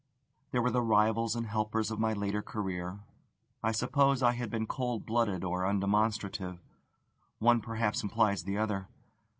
There were the rivals and helpers of my later career: I suppose I had been cold blooded or undemonstrative one perhaps implies the other.